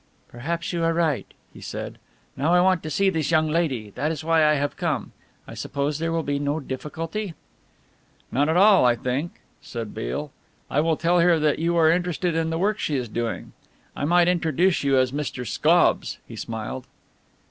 "Perhaps you are right," he said. "Now I want to see this young lady, that is why I have come. I suppose there will be no difficulty?" "None at all, I think," said Beale. "I will tell her that you are interested in the work she is doing. I might introduce you as Mr. Scobbs," he smiled.